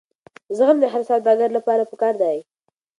زغم د هر سوداګر لپاره پکار دی.